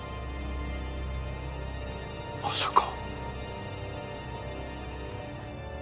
まさか。